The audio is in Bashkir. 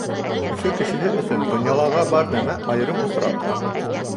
Өфө кешеһе өсөн донъялаға бар нәмә — айырым осраҡ.